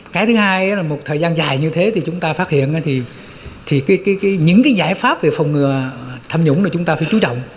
cái thứ hai là một thời gian dài như thế thì chúng ta phát hiện thì những cái giải pháp về phòng ngừa tham nhũng là chúng ta phải chú trọng